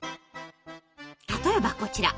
例えばこちら。